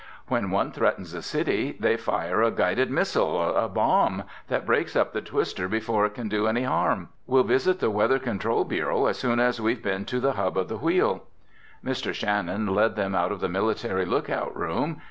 "When one threatens a city they fire a guided missile—a bomb—that breaks up the twister before it can do any harm. We'll visit the Weather Control Bureau as soon as we've been to the hub of the Wheel." Mr. Shannon led them out of the Military Lookout Room.